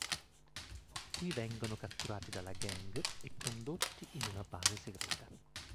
Qui vengono catturati dalla Gang e condotti in una base segreta.